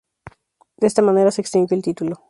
De esta manera se extinguió el título.